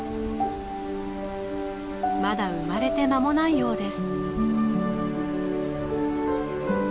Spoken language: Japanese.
まだ生まれて間もないようです。